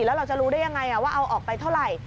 แล้วเราจะรู้ได้ยังไงว่าเอาออกไปเท่าไหร่